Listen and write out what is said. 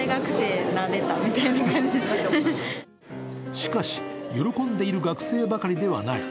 しかし、喜んでいる学生ばかりではない。